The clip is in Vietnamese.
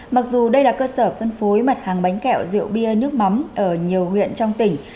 mặc dù đây là cơ sở phân phối mặt hàng bánh kẹo rượu bia nước mắm ở nhiều huyện trong tỉnh